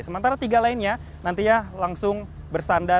sementara tiga lainnya nanti akan diadakan di kepulauan natuna dan kepulauan riau